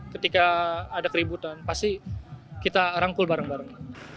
ketika ada keributan pasti kita rangkul bareng bareng